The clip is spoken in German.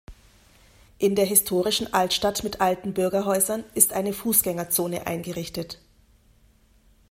In der historischen Altstadt mit alten Bürgerhäusern ist eine Fußgängerzone eingerichtet.